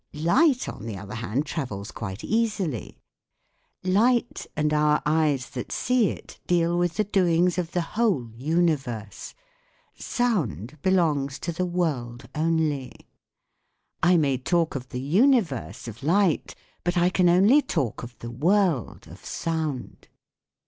Light on the other hand travels quite easily. Light and our eyes that see it deal with the doings of the io THE WORLD OF SOUND whole universe ; sound belongs to the world only. I may talk of the universe of light, but I can only talk of the world of sound.